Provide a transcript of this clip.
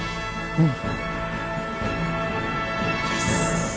うん。